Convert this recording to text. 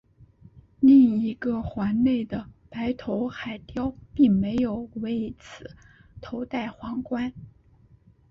另一个环内的白头海雕并没有为此头戴皇冠。